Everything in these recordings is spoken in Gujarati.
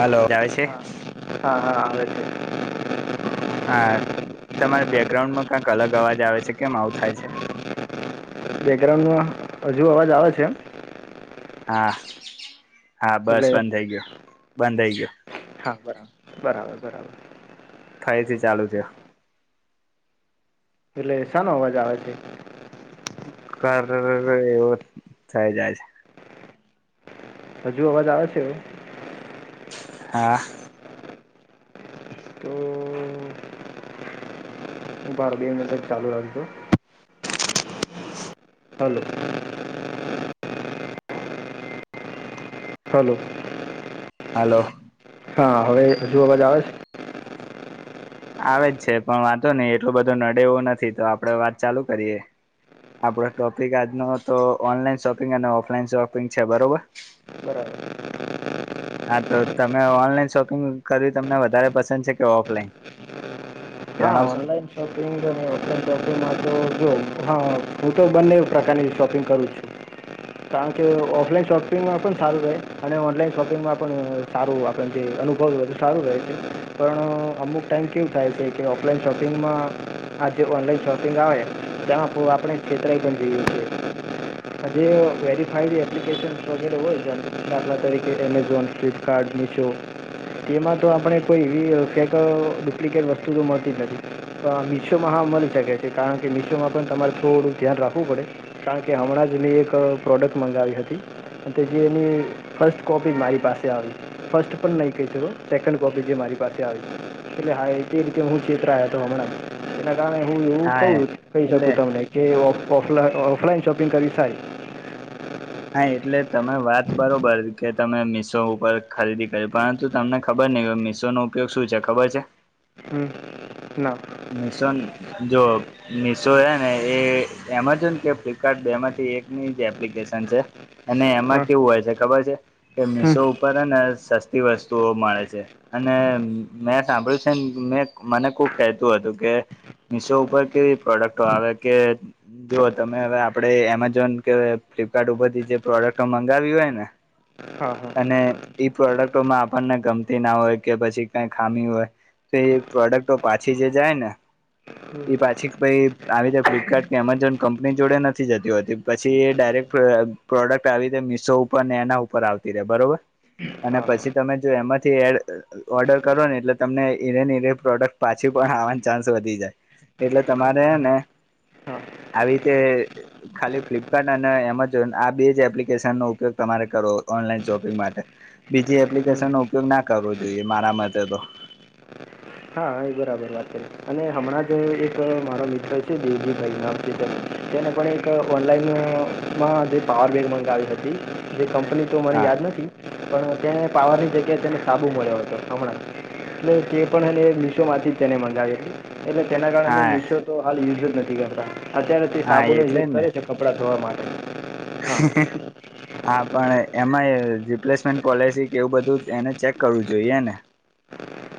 હલો આવે છે હા હા આવે છે. હા તમારે બેકગ્રાઉન્ડમાં ક્યાંક અલગ અવાજ આવે છે કેમ આવું થાય છે. [inaudible] બેકગ્રાઉન્ડમાં હજુ અવાજ આવે છે એમ હા હા બસ એટલે બંધ થઈ ગયો બંધ થઈ ગયો હા બરાબર બરાબર બરાબર થઈ થી ચાલુ થયો એટલે શા નો અવાજ આવે છે. કર અહહ એવો થઈ જાય છે. હજુ અવાજ આવે છે એ હા. તો ઉભારો બે મિનિટ ચાલુ રાખજો હલો. હલો. હાલો. હા હવે હજુ અવાજ આવે છે. આવે જ છે પણ વાંધો નઈ એટલું બધું નડે એવું નથી તો આપડે વાત ચાલુ કરીએ આપડો ટોપિક આજનો તો ઓનલાઈન શોપિંગ અને ઓફલાઈન શોપિંગ છે બરોબર. ક [inaudible] હા તો તમે ઓનલાઈન શોપિંગ કરવી તમને વધારે પસંદ છે કે ઓફલાઈન હા ત [inaudible] ઓનલાઈન શોપિંગ અને ઓફલાઈન શોપિંગમાં તો જો હું તો બંને પ્રકારની શોપિંગ કરું હ છે [inaudible] કારણ કે ઓફલાઈન શોપિંગમાં પણ સારું રહે અને ઓનલાઈન શોપિંગમાં પણ સારું આપણ જે અનુભવ બધું સારું રહે છે પણ અમુક ટાઈમ કેવું થાય છે કે ઓફલાઈન શોપિંગમાં આજે ઓનલાઈન શોપિંગ આવે તેમાં ખૂબ આપણે છેતરાઈ પણ જઈએ છીએ. આ જે વેરીફાઈડ એપ્લિકેશન વગેરે હોય છે દાખલા તરીકે એમેઝોન ફ્લિપકાર્ટ મીશો તેમાં તો આપણે કોઈ એવી ફેકો ડુપ્લિકેટ વસ્તુ તો મળતી નથી. [unintelligible] મીશોમાં હા મળી શકે છે કારણ કે મીશોમાં પણ તમારે થોડુંક ધ્યાન રાખવું પડે કારણ કે હમણાં જ. ની એક પ્રોડક્ટ મંગાવી હતી. જે એની ફર્સ્ટ કોપી મારી પાસે આવી ફર્સ્ટ પણ નહી કહી શકો સેકન્ડ કોપી જે મારી એટલે હા એ રીતે હું. છેતરાયો હતો હમણાં એના કારણે હું હા એવું કહી એટલે શકું તમને કે ઓફલાઈન શોપિંગ કરવી સારી હા એટલે તમે વાત બરોબર કે તમે મિશો ઉપર ખરીદી કરી પરંતુ તમને ખબર નહિ હોય. મીશો નો ઉપયોગ શું છે ખબર છે. હમ. ના મિશન જો મિશો હે ને એ એમેઝોન કે ફ્લિપકાર્ટ બેમાંથી એકની એપ્લિકેશન છે. અને એમાં હા કેવું હોય છે ખબર છે કે હમ મીશો ઉપર હે ને સસ્તી વસ્તુઓ મળે છે અને મેં સાંભળ્યું છે એમ મને કોક. કહેતું હતું કે મિશો ઉપર કેવી પ્રોડક્ટો આવે કે જો તમે હવે આપણે એમેઝોન કે ફ્લિપકાર્ટ ઉપરથી જે પ્રોડક્ટ મંગાવ્યું હોય ને હા હા અને ઈ પ્રોડક્ટમાં આપણને ગમતી ના હોય કે પછી કઈ ખામી હોય. તો એ પ્રોડક્ટ તો પાછી જે જાય ને હમ એ પાછી પછી આવી રીતે ફ્લિપકાર્ટ કે એમેઝોન કંપની જોડે નથી જતી હોતી પછી એ ડાયરેક્ટ. પ્રોડક્ટ આવી રીતે મિશો ઉપર ને એના ઉપર આવતી રહેે બરોબર. અને હા હા પછી તમે જો એમાંથી એડ ઓર્ડર કરો ને એટલે તમને એજ પ્રોડક્ટ પાછી પણ આવાની ચાન્સ વધી જાય એટલે તમારે હે ને હા આવી રીતે ખાલી ફ્લિપકાર્ટ અને એમેઝોન આ બે જ એપ્લિકેશનનો ઉપયોગ તમારે કરવો ઓનલાઈન શોપિંગ માટે બીજી હમ એપ્લિકેશન ન ઉપયોગ ના કરવો જોઈએ મારા મતે તો હા એ બરાબર વાત કરી છે અને હમણાં જ એક મારો મિત્ર છે દેવજીભાઈ નામ એમને પણ એક ઓનલાઈનમાં જે પાવર બેક મગાવી હતી જે કંપની તો મને હા યાદ નથી પણ ત્યાં પાવરની કે તેને સાબુ મળ્યો હતો હમણાં એટલે તે પણ એને મીશો માંથી તેને મંગાવી હતી. એટલે તેના કારણે અમે હા મીશો તો હાલ યુઝ જ નથી કરતા અત્યારે તે હા સાબુનો યુઝ કરે છે કપડાં ધોવા માટે હા હંઅંઅ હા પણ, એમાં રિપ્લેસમેન્ટ પોલિસી કે એવું બધું એને ચેક કરવું જોઈએ ને.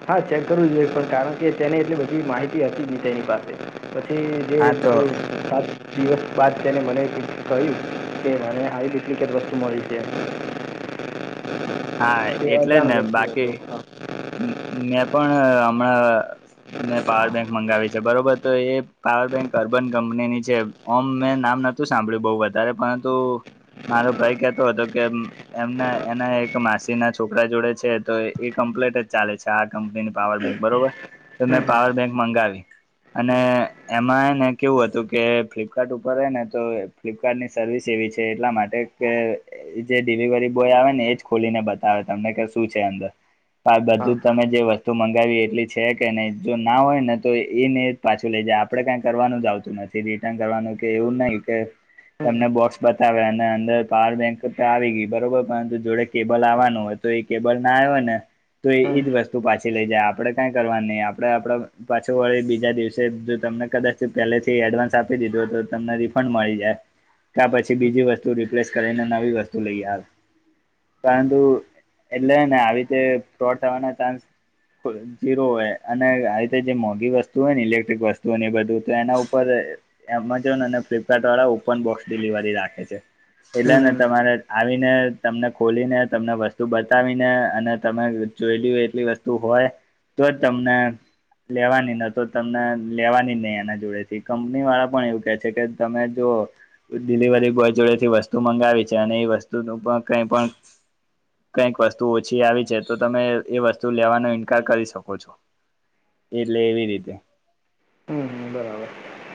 હા ચેક કરવું જોઈએ પણ કારણ કે તેને એટલી બધી માહિતી હતી જ નહી તેની પાસે. પછી જે હા તો જે સાત દિવસ બાદ તેને મને કહ્યું કે, મને આવી ડુપ્લિકેટ વસ્તુ મળી છે. હા તે એટલે અજાણ ને વ્યક્તિ બાકી હતો હા મે પણ હમણાં મેં પાવર બેંક મંગાવી છે બરોબર તો એ પાવર બેંક અર્બન કંપનીની છે. ઓમ મેં નામ નતું સાંભળ્યું બહુ વધારે પરંતુ. મારો ભાઈ કેતો હતો કે એમને એને. માસી ના છોકરા જોડે છે તો એ કમ્પ્લેટ જ ચાલે છે આ કંપનીની પાવર બેંક બરોબર. તને પાવર બેંક મંગાવી. અને હમ એમાંને કેવું હતું કે ફ્લિપકાર્ટ ઉપર રહે ને તો ફ્લિપકાર્ટ ની સર્વિસિ. એટલા માટે જે ડિલિવરી બોય આવે ને એ. ખોલીને બતાવે તમને કે શું છે અંદર. હા બધું તમે જે વસ્તુ મંગાવી એટલી છે કે નહી જો ના હોય ને તો એને પાછું લે. જે આપડે કઈ કરવાનું જ આવતું નથી રિટર્ન કરવાનું કે એવું નહીં કે. હમ તમને બોક્સ બતાવે અને અંદર પાવર બેંક તો આવી ગઈ બરોબર પરંતુ જોડે. કેબલ આવવાનું હોય તો એ કેબલ ના આવ્યો ને તો હમ એજ વસ્તુ પાછી લઈ જાય આપડે કઈ કરવા નહી આપડે આપ પાછું વળી બીજા દિવસે જો તમને કદાચ પેલેથી એડવાન્સ આપી દીધું તો તમને રિફંડ મળી જાય. ત્યા પછી બીજી વસ્તુ રિપ્લેસ કરીને નવી વસ્તુ લઈ આવે. પરંતુ એટલેને આવી રીતે ફ્રોડ થવાના ચાન્સ. જીરો હોય અને આવી રીતે જે મોંઘી વસ્તુ હોય ને ઇલેક્ટ્રિક વસ્તુઓને બધું તો એના ઉપર એમેઝોન અને ફ્લિપકાર્ટ વાળા ઓપન બોક્સ ડિલિવરી રાખે છે. હમ એટલેને હમ તમારે આવીને તમને. ખોલીને તમને વસ્તુ બતાવીને અને તમે જોઈ લ એટલી વસ્તુ હોય. તો જ તમને લેવાની ન તો તમને લેવાની નહી, એના જોડે થી કંપની વાળા પણ એવું કે છે કે તમે જો ડિલિવરી બોય જોડે થી વસ્તુ મંગાવી છે અને એ વસ્તુ પણ કઈ પણ કંઈક વસ્તુ ઓછી આવી છે તો તમે એ વસ્તુ લેવાનો ઈન્કાર કરી શકો છો. એટલે એવી રીતે. હમ હમ બરાબર.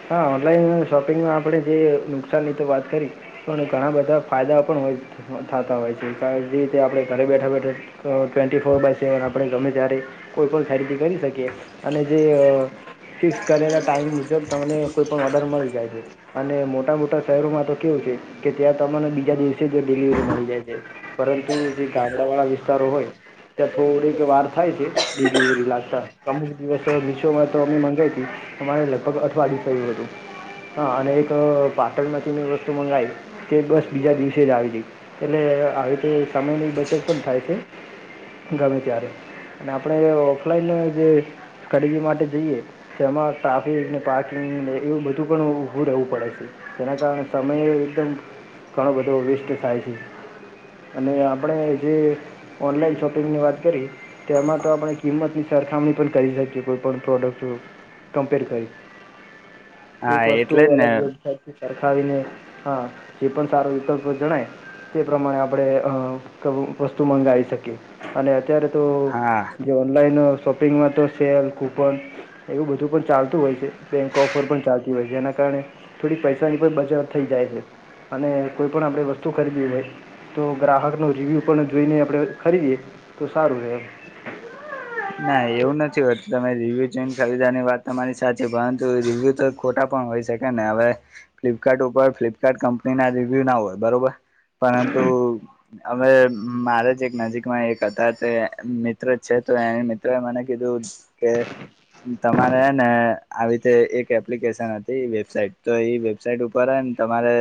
હા ઓનલાઈન શોપિંગમાં આપણે જે નુકસાનની વાત કરી તો ઘણા બધા ફાયદા પણ થતા હોય છે. કે જે રીતે આપણે ઘરે બેઠા બેઠા ટ્વેન્ટી ફોર બાય સેવન આપણે ગમે જ્યારે કોઈપણ સાઈડથી કરી શકીએ અને જે ફિક્સ કરેલા ટાઈમ મુજબ તમને કોઈ પણ ઓર્ડર મળી જાય છે. અને મોટા મોટા શહેરોમાં તો કેવું છે કે, ત્યાં તમને બીજા દિવસે જ ડિલિવરી મળી જાય છે. પરંતુ જે ગામડા વાળા વિસ્તારો હોય, થોડીક વાર થાય છે બે દિ લાગતા અમુક દિવસ મીશો મા તો [inaudible] રે લગભગ અઠવાડયુ થયું હતું. હા અને એક પાટણ માંથી મેં વસ્તુ મંગાવી તે બસ બીજા દિવસે જ આવી હતી. એટલે આવી રીતે સમયની બચત પણ થાય છે. ગમે ત્યારે અને આપણે ઓફલાઈન જે ખરીદી માટે જઈએ જેમાં ટ્રાફિક ને પાર્કિંગ ને એવું બધું પણ ઉ ઊભું રહેવું પડે છે. જેના કારણે સમયે એકદમ ઘણો બધો વેસ્ટ થાય છે. અને આપણે જે ઓનલાઈન શોપિંગ ની વાત કરી. તેમાં તો આપણે કિંમતની સરખામણી પણ કરી શકીએ કોઈ પણ પ્રોડક્ટ કમપેર કરી એક હા વસ્તુ એટલે જ ને અલગ જગ [inaudible] સરખાવીને હા એ પણ સારો વિકલ્પ જણાય. તે પ્રમાણે આપણે અ વસ્તુ મંગાવી શકીએ, અને અત્યારે. તો હા જે ઓનલાઈન શોપિંગમાં તો સેલ કૂપન એવું બધું પણ ચાલતું હોય છે, બેંક ઓફર પણ ચાલતી હોય છે જેના કારણે થોડીક પૈસાની પણ બજાર થઈ જાય છે. અને કોઈ પણ આપણે વસ્તુ ખરીદીએ હોય તો ગ્રાહક ન રિવ્યુ પણ જોઈને આપણે ખરીદીએ. તો સારું એમ [unintelligible] ના એવું નથી હોતું, તમે રિવ્યુ ચેન્જ કરી દેવાની વાત તમારી સાચી, પરંતુ રિવ્યુ તો ખોટા પણ હોય શકે ને હવે, ફ્લિપકાર્ટ ઉપર ફ્લિપકાર્ટ કંપની ના રિવ્યુ ના હોય બરોબર! પરંતુ, હવે, મારે જ એક નજીકમાં એક હતા તે, મિત્ર જ છે. તો એ મિત્રો એ મને કીધું, કે, તમારે હેને આવીતે એક એપ્લિકેશન હતી વેબસાાઈટ, તો ઇ વેબસાાઈટ ઉપરે તમારે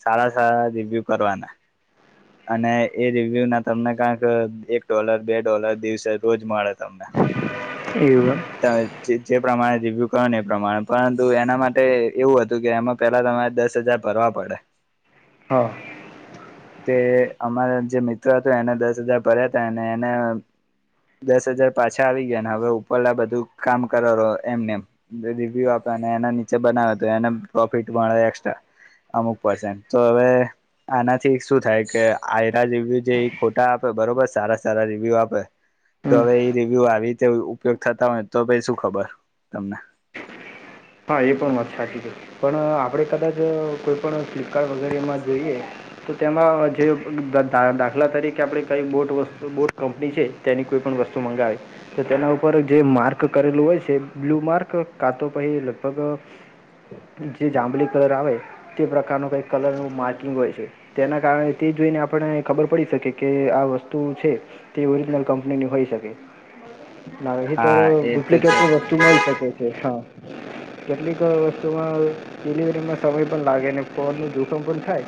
સારા સારા રિવ્યુ કરવાના અને, એ રિવ્યુ ના તમને કાંક, એક ડોલર બે ડોલર દિવસે રોજ મળે તમને. એમ એવું એમ તમે જૈ જે પ્રમાણે રિવ્યૂ કરો ને એ પ્રમાણે, પરંતુ એના માટે, એવું હતું કે એમાં પહેલાં તમાર દસ હજાર ભરવા પડે. [unintelligible] હા. તે, અમારા જે મિત્ર હતો એને દસ હજાર ભર્યા તા અને એને દસ હજાર પાછા આવી ગયા ને હવે ઉપરલા બધું કામ કરોરો એમનેમ, રિવ્યુ આપ અને એના નીચે બનાવે તો એને પ્રોફિટ મળે એકસ્ટ્રા અમુક પરસન્ટ તો હવે, આનાથી શું થાય કે, આયરા રિવ્યુ જે ઇ ખોટા આપે બરોબર, સારા સારા રિવ્યુ આપે તો હમ હવે ઇ રિવ્યુ આવીતે ઉપયોગ થતા હોય, તો ભઈ શું ખબર, તમને. હા એ પણ વાત સાચી છે પણ, આપડે કદાચ, કોઈ પણ [unintelligible] વગેરે એમાં જઈએ, તો તેમાં, અ જે, દદા દાખલા તરીકે આપણે કઈ બોટ વ બોટ કંપની છે, તેની કોઈ પણ વસ્તુ મંગાઇ, તો તેના ઉપર જે માર્ક કરેલું હોય છે, બ્લુ માર્ક, કાતો પહી પગ જે જાંબલી [unintelligible] આવે, તે પ્રકારનું કઈક કલરનું માર્કિંગ હોય છે. તેના કારણે તે [unintelligible] [unintelligible] આપણે, ખબર પડી શકે કે, આ વસ્તુ છે. એ ઓરિજનલ કંપનીની હોઈ શકે. નાહીતર, હા એ તો છે ડુપ્લિકેટ વસ્તુ મળી શકે છે હા. કેટલીક, વસ્તુમાં, ડિલિવરીમાં સમય પણ લાગે, ને ફોન નું જોખમ પણ થાય.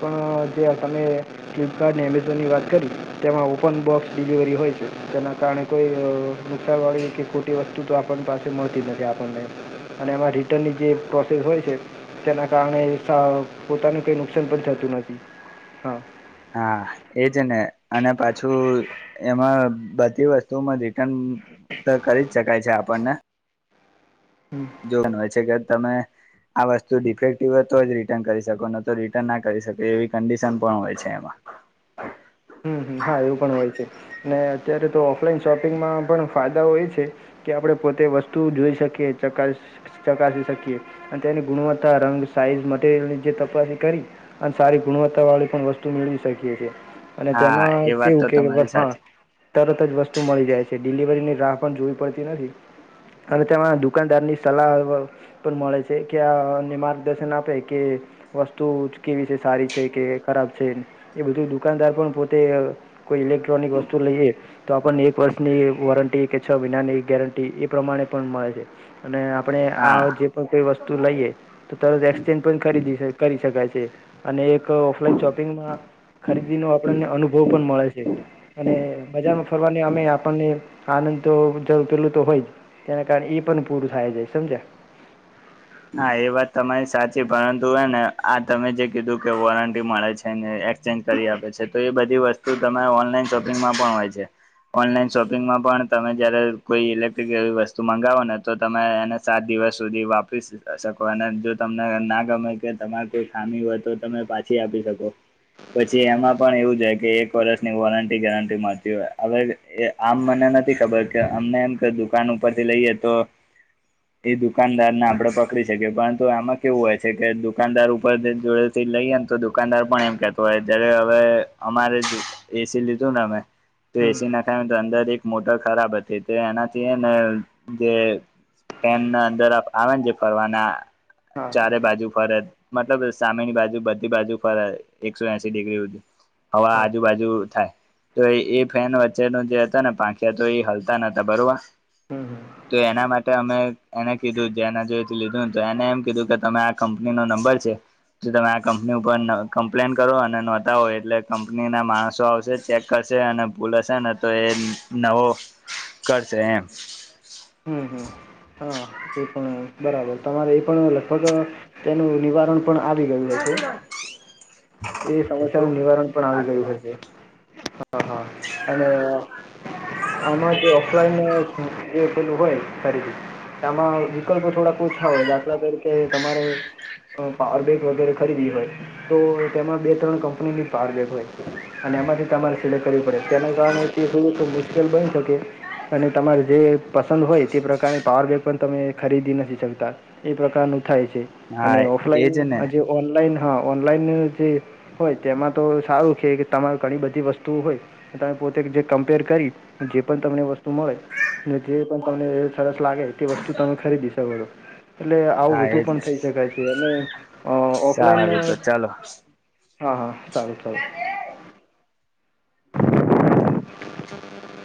પણ, જ્યાં તમે, ફ્લિપકાર્ટ અને એમેઝોનની વાત કરી, તેમાં ઓપન બોક્સ ડિલિવરી હોય છે. તેના કારણે કોઈઅઅ, [unintelligible] વાળી કે ખોટી વસ્તુ તો આપણ પાસે મળતી નથી આપણને. અને એમાં રિટર્નની જે, પ્રોસેસ હોય છે, તેના કારણે, પોતાનું કઈ નુકસાન પણ થતું નથી, હા. હા, એજ ને, અને પાછુંઉ, એમાંઅ બધી વસ્તુમાં [unintelligible] તો કરી જ શકાય છે આપણને હં જોવાનું હોય છે કે તમે આ વસ્તુ ડિફેક્ટિવ હોય તો જ રિટર્ન કરી શકો ન તો રિટર્ન ના કરી શકે એવી કંડિશન પણ હોય છે એમ. હમ્મ હમ્મ, હા, એવું પણ હોય છે. ને, અત્યારે તો ઓફલાઈન શોપિંગમાં, પણ ફાયદાઓ એ છે, કે આપણે પોતે વસ્તુ જોઈ શકીએ [inaudible] ચકાસી શકીએ, અન તેની ગુણવત્તા, રંગ, સાઇઝ, મટીરિયલની જે તપાસ કરી અ સારી ગુણવત્તા વાળી પણ વસ્તુ મેળવી શકીએ છીએ. અને હા તેમાં, એ વાત કેવું તો કે, તમારી હા, સાચી તરત જ વસ્તુ મળી જાય છે. ડિલિવરીની રાહ પણ જોવી પડતી નથી. અને તેમાં દુકાનદાર ની સલાહ, પણ મળે છે કે આ માર્ગદર્શન આપે કે વસ્તુ, કેવી છે સારી છે કે, ખરાબ છે, એ બધું દુકાનદાર પણ પોતે અ, કોઈ ઇલેક્ટ્રોનિક વસ્તુ લઈએ, તો આપનને એક વર્ષની, વોરંટી કે છ મહિનાની ગેરંટી, એ પ્રમાણે પણ મળે છે. અને આપણે આ હા જે પણ કઈ વસ્તુ લઈએ, તો તરત એક્સચેન્જ પણ ખરીદી શ, કરી શકાય છે. એ, અને એક ઓફલાઈન શોપિંગમાં ખરીદી નુ આપણને અનુભવ પણ મળે છે. અને, બજારમાં ફરવાને આમે આપણને આનંદ તો જરૂર પેલું તો હોય જ તેના કારણે એ પણ પૂરું થાય જાય સમજ્યા. હા એ વાત તમારી સાચી પરંતુ એને આ તમે જે કીધું કે વોરંટી મળે છે ને એ. એક્સચેન્જ કરી આપે છે તો એ બધી વસ્તુ તમારે ઓનલાઈન શોપિંગમાં પણ હોય છે. ઓનલાઈન શોપિંગમાં પણ તમે જયારે કોઈ ઇલેક્ટ્રિક એવી વસ્તુ મંગાવો ને તો તમે એને સાદી દિવસ સુધી વાપરી શકો અને જો તમને ના ગમે કે તમારી કોઈ ખામી હોય તો તમે પાછી આપી શકો. પછી એમાં પણ એવું જ કે એક વર્ષની વોરંટી ગેરંટી મળતી હોય હવે એ આમ મને નથી ખબર કે અમને એમ કે દુકાન ઉપર થી લઈએ તો એ દુકાનદાર ના આપડા પક શકે પરંતુ આમાં કેવું હોય છે, કે દુકાનદાર ઉપર જોડે થી લઈએ ને તો દુકાનદાર પણ એમ કેતો હોય જ્યારે હવે અમારે એસી લીધું ને અમે તો હમ એસી નાખાય તો અંદર એક મોટર ખરાબ હતી તો એનાથી હેને જે ફેનના અંદર આવે ને જે ફરવાના હા હા ચારે બાજુ ફરત મતલબ સામેની બાજુ બધી બાજુ ફર સ એકસો એસી ડિગ્રી હવા હા આજુબાજુ થાય. તો એ ફેન વચ્ચેનું જે હતા ને પાંખિયા તો એ હલતા ન હતા બરોબર. હમ હમ તો એના માટે અમે એને કીધું જેના જો લીધું તો એને એમ કીધું કે તમે આ કંપનીનો નંબર છે. જો તમે આ કંપની ઉપર કમ્પ્લેન કરો અને નોધાંવો એટલે કંપનીના માણસો આવશે ચેક કરશે છે અને ભૂલે હશેને તો એ નવો કરશે એમ હમ હમ હા એ પણ બરાબર તમારે એ પણ લગભગ તેનું નિવારણ પણ આવી ગયું હશે. એ સમસ્યાનું નિવારણ પણ આવી ગયું હશે. હા હા અને આમાં જે ઓફલાઈન સો લું હોય ખરી આમાં વિકલ્પ થોડાક ઓછા હોય દાખલા તારીખે તમારે પાવરબેંક વગેરે ખરીદી હોય તો તેમાં બે ત્રણ કંપનીની. પાવરબેન્ક હોય અને એમાંથી તમારે સિલેક્ટ કરવી પડે તેના બની શકે અને તમારે જે પસંદ હોય તે પ્રકારની પાવર બેક પણ તમે ખરીદી નથી શકતા એ પ્રકારનું થાય છે અને હા ઓફલાઈન એજ ને આજે ઓનલાઈન હા ઓનલાઈન જે હોય તેમાં તો સારું છે કે તમારે ઘણી બધી વસ્તુઓ હોય તમે પોતે જે કમ્પેર કરી જે પણ તમને વસ્તુ મળે એને જે પણ તમને સરસ લાગે તે વસ્તુ તમે ખરીદી શકો છો. એટલે આવું હા બધુ એજ પણ થઈ શક છે અને અ ઓફલાઈન સારું તો ચાલો હા હા સારું સારું.